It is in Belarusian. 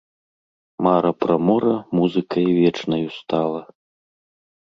Мара пра мора музыкай вечнаю стала.